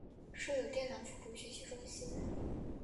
设有电脑辅助学习中心。